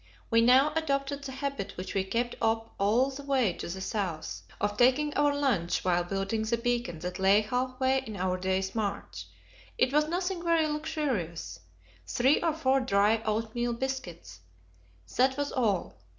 We now adopted the habit which we kept up all the way to the south of taking our lunch while building the beacon that lay half way in our day's march. It was nothing very luxurious three or four dry oatmeal biscuits, that was all.